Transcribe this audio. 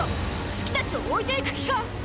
シキたちを置いていく気か？